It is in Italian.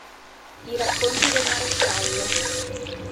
I racconti del maresciallo